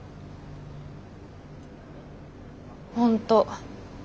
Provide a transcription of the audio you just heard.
本当。